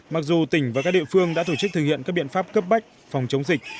mặc dù tỉnh và các địa phương đã tổ chức thực hiện các biện pháp cấp bách phòng chống dịch